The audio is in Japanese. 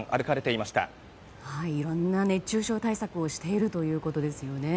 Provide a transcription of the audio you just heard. いろんな熱中症対策をしているということですね。